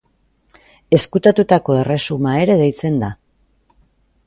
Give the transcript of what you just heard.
Ezkutatutako Erresuma ere deitzen da.